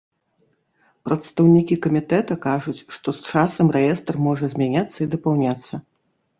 Прадстаўнікі камітэта кажуць, што з часам рэестр можа змяняцца і дапаўняцца.